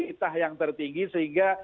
itah yang tertinggi sehingga